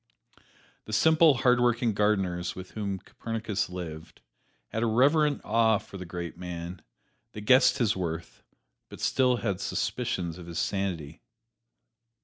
The simple, hard working gardeners with whom Copernicus lived, had a reverent awe for the great man; they guessed his worth, but still had suspicions of his sanity.